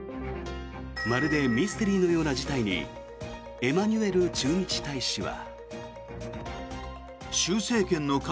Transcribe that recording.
まるでミステリーのような事態にエマニュエル駐日大使は。